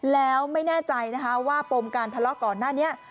แล้วไม่แน่ใจนะคะว่าปมการทะเลาะก่อนหน้านี้